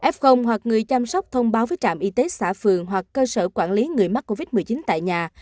f hoặc người chăm sóc thông báo với trạm y tế xã phường hoặc cơ sở quản lý người mắc covid một mươi chín tại nhà